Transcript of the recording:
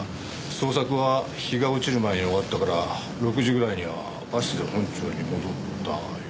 捜索は日が落ちる前に終わったから６時ぐらいにはバスで本庁に戻ったよな？